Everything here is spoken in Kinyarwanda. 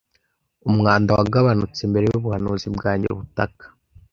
Umwanda wagabanutse mbere yubuhanuzi bwanjye butaka,